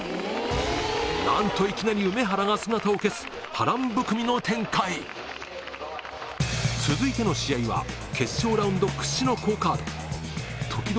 なんといきなりウメハラが姿を消す波乱含みの展開続いての試合は決勝ラウンド屈指の好カードときど